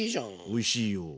おいしいよ。